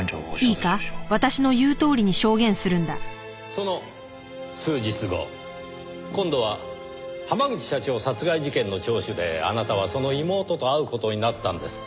その数日後今度は濱口社長殺害事件の聴取であなたはその妹と会う事になったんです。